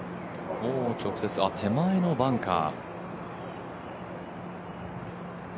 手前のバンカー。